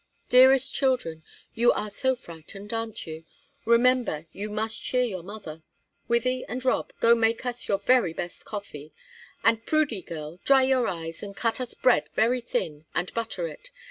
Dearest children, you are so frightened, aren't you? Remember, you must cheer your mother. Wythie and Rob, go make us your very best coffee. And Prudy girl, dry your eyes, and cut us bread very thin, and butter it.